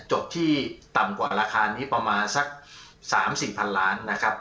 จบที่ต่ำกว่าราคานี้ประมาณสัก๓๔พันล้านนะครับ